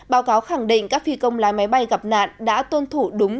báo cáo khẳng định các phi công lái máy bay gặp nạn đã tuân thủ đúng